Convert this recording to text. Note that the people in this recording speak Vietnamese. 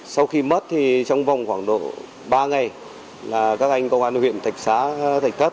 sau khi mất thì trong vòng khoảng độ ba ngày là các anh công an huyện thạch xá thạch thất